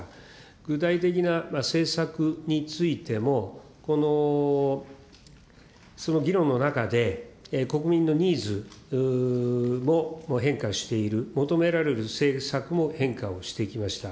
具体的な政策についても、その議論の中で、国民のニーズも変化している、求められる政策も変化をしてきました。